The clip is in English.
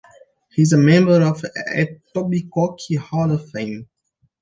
He is a member of the Etobicoke Hall of Fame.